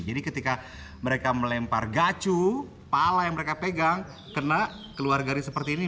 jadi ketika mereka melempar gacu pala yang mereka pegang kena keluar garis seperti ini